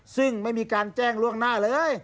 ซึ่งไม่มีการแจ้งล่วงหน้าเลย